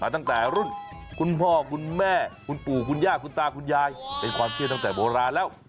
ตั้งแต่รุ่นคุณพ่อคุณแม่คุณปู่คุณย่าคุณตาคุณยายเป็นความเชื่อตั้งแต่โบราณแล้ว